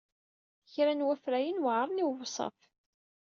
Kra n wafrayen weɛṛen i wewṣaf.